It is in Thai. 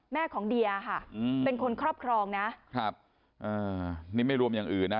แม่ของเดียค่ะอืมเป็นคนครอบครองนะครับอ่านี่ไม่รวมอย่างอื่นนะ